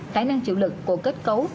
khả năng chịu lực của kết cấu